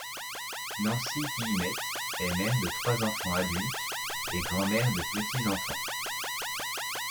Nancy Guillemette est mère de trois enfants adultes et grand-mère de petits enfants.